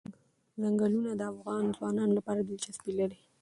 ځنګلونه د افغان ځوانانو لپاره دلچسپي لري.